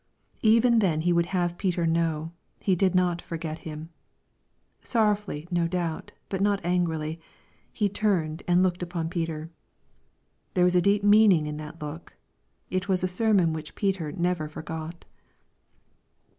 Even then He would have Peter"know, He did not forget him. Sorrowfully no doubt, but not angrily, — He *^ turned and looked upon Peter." There was a deep mean ingin that look. It was a sermon which Peter neverforgot.